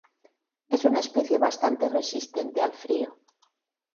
Es una especie bastante resistente al frío.